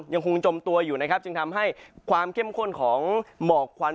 ยังคงจมตัวอยู่นะครับจึงทำให้ความเข้มข้นของหมอกควัน